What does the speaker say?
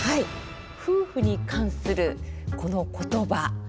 夫婦に関するこの言葉。